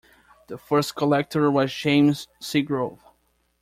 The first Collector was James Seagrove.